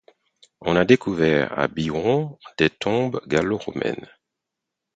On a découvert à Biron des tombes gallo-romaines.